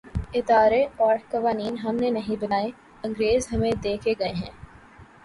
ادارے اورقوانین ہم نے نہیں بنائے‘ انگریز ہمیں دے کے گئے تھے۔